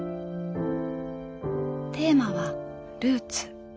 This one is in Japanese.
テーマは「ルーツ」。